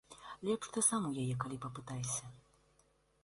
Лепш ты сам у яе калі папытайся.